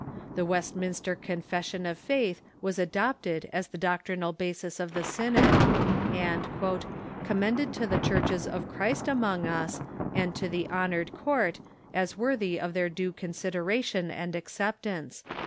The Westminster Confession of Faith was adopted as the doctrinal basis of the The Cambridge gynod, and " commended to the churches of Christ Platform •'' among us, and to the honored court, as worthy of their due consideration and acceptance."